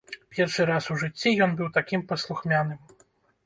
Першы раз у жыцці ён быў такім паслухмяным.